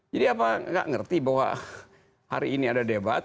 jadi apa tidak mengerti bahwa hari ini ada debat